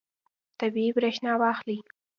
طبیعي برېښنا واخلئ.